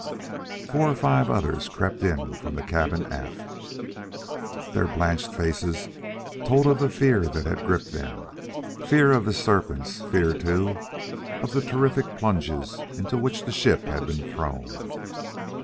Four or five others crept in from the cabin aft; their blanched faces told of the fear that had gripped them fear of the serpents; fear, too, of the terrific plunges into which the ship had been thrown.